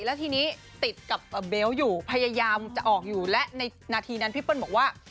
แล้วทีนี้ติดกับเบลต์อยู่พยายามจะออกอยู่และในนาทีนั้นพี่เปิ้ลบอกว่า